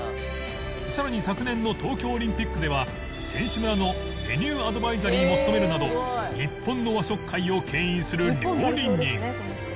さらに昨年の東京オリンピックでは選手村のメニューアドバイザリーも務めるなど日本の和食界を牽引する料理人